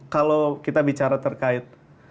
kalau kita bicara terkait